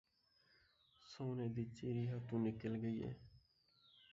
سونے دی چڑی ہتھوں نکل ڳئی ہے